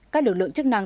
các lực lượng chức năng